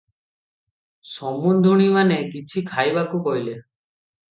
"ସମୁନ୍ଧୁଣୀମାନେ କିଛି ଖାଇବାକୁ କହିଲେ ।